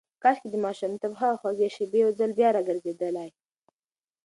کاشکې د ماشومتوب هغه خوږې شېبې یو ځل بیا راګرځېدلای.